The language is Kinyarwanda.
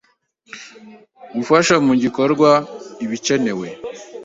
gufasha mu gukora ibicyenewe